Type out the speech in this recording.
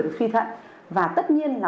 được suy thận và tất nhiên là